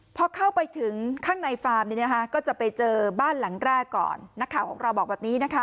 พอเข้าไปถึงข้างในฟาร์มก็จะไปเจอบ้านหลังแรกก่อน